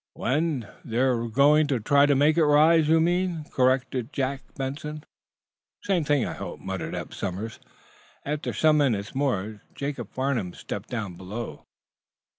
"When they're going to try to make it rise, you mean," corrected Jack Benson. "Same thing, I hope," muttered Eph Somers. After some minutes more Jacob Farnum stepped down below.